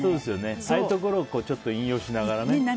ああいうところを引用しながらね。